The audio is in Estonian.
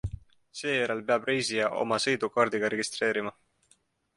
Seejärel peab reisija oma sõidu kaardiga registreerima.